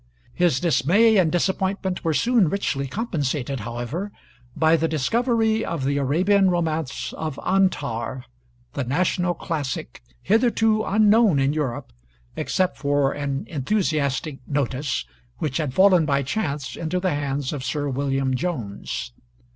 His dismay and disappointment were soon richly compensated, however, by the discovery of the Arabian romance of 'Antar,' the national classic, hitherto unknown in Europe, except for an enthusiastic notice which had fallen by chance into the hands of Sir William Jones.